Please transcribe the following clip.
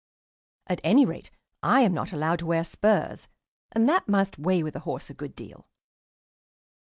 At any rate I am not allowed to wear spurs, and that must weigh with a horse a good deal.